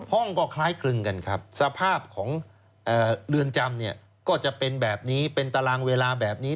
ห้องก็คล้ายคลึงกันครับสภาพของเรือนจำเนี่ยก็จะเป็นแบบนี้เป็นตารางเวลาแบบนี้